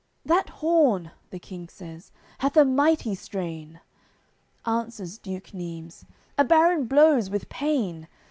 "That horn," the King says, "hath a mighty strain!" Answers Duke Neimes: "A baron blows with pain!